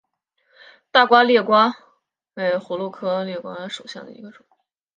大花裂瓜为葫芦科裂瓜属下的一个种。